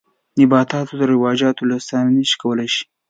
نباتاتو د رواجولو ستراتیژۍ کولای شي.